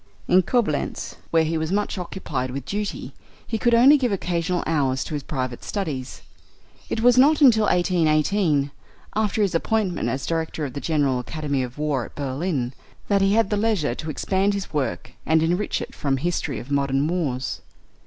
In Coblentz, where he was much occupied with duty, he could only give occasional hours to his private studies. It was not until 1818, after his appointment as Director of the General Academy of War at Berlin, that he had the leisure to expand his work, and enrich it from the history of modern wars.